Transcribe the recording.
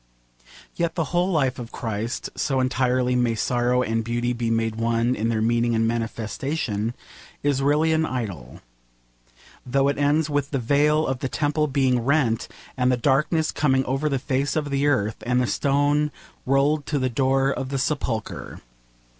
Yet the whole life of Christ so entirely may sorrow and beauty be made one in their meaning and manifestation is really an idyll, though it ends with the veil of the temple being rent, and the darkness coming over the face of the earth, and the stone rolled to the door of the sepulchre.